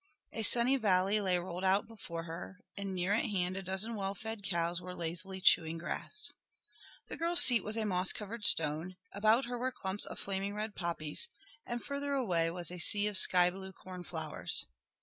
A sunny valley lay rolled out before her, and near at hand a dozen well fed cows were lazily chewing grass. The girl's seat was a moss covered stone, about her were clumps of flaming red poppies and farther away was a sea of sky blue corn flowers.